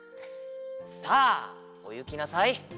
さあおゆきなさい！